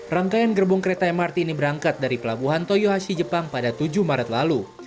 rangkaian gerbong kereta mrt ini berangkat dari pelabuhan toyohashi jepang pada tujuh maret lalu